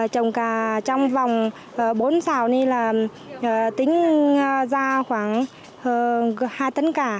trồng cà trong vòng bốn xào này là tính ra khoảng hai tấn cả